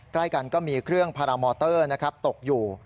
ใกล้กันก็มีเครื่องพารามอเตอร์นะครับตกอยู่